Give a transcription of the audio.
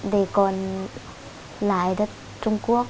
để còn lại đất trung quốc